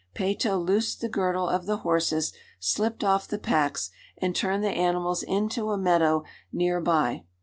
Peyto loosed the girdle of the horses, slipped off the packs, and turned the animals into a meadow near by.